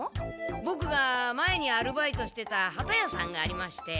ボクが前にアルバイトしてた旗屋さんがありまして。